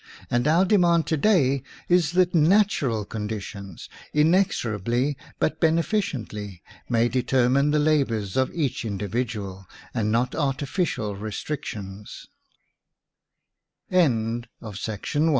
And our demand to day is that natural condi tions, inexorably, but beneficently, may determine the labors of each individual, and not artificial restr